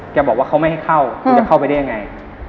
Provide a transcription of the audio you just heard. บอกว่าเขาไม่ให้เข้ากูจะเข้าไปได้ยังไง